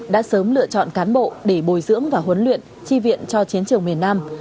đã sớm lựa chọn cán bộ để bồi dưỡng và huấn luyện chi viện cho chiến trường miền nam